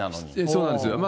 そうなんですよ。